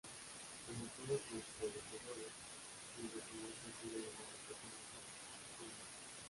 Como todos sus predecesores, desde su muerte ha sido llamado por su nombre póstumo.